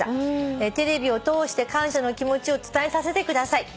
「テレビを通して感謝の気持ちを伝えさせてください」